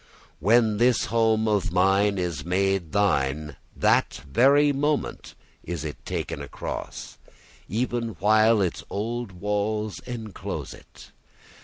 When this home of mine is made thine, that very moment is it taken across, even while its old walls enclose it.